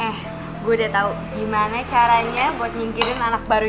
eh gue udah tahu gimana caranya buatninggirin anak baru ini